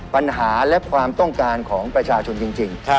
ปัญหาและความต้องการของประชาชนจริง